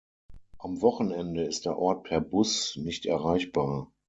Am Wochenende ist der Ort per Bus nicht erreichbar.